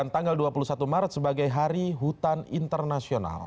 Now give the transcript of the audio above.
tanggal dua puluh satu maret sebagai hari hutan internasional